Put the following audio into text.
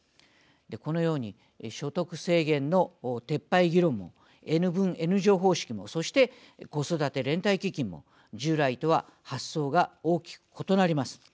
このように所得制限の撤廃議論もＮ分Ｎ乗方式もそして、子育て連帯基金も従来とは発想が大きく異なります。